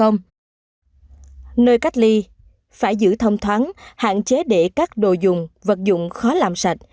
nơi cách ly phải giữ thông thoáng hạn chế để các đồ dùng vật dụng khó làm sạch